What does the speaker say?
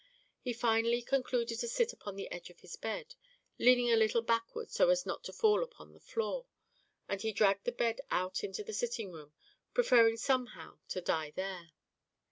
He finally concluded to sit upon the edge of his bed, leaning a little backward so as not to fall upon the floor, and he dragged the bed out into the sitting room, preferring somehow to die there.